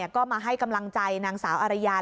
ก็มาให้กำลังใจนางสาวอารยา